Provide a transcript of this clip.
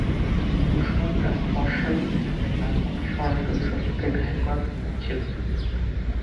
দুশমনরা অশ্বারোহী থাকায় তার পক্ষে সরাসরি শত্রুকে ঘায়েল করা সম্ভব ছিল না।